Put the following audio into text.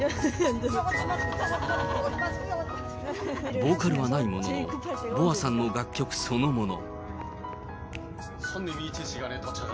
ボーカルはないものの、ＢｏＡさんの楽曲そのもの。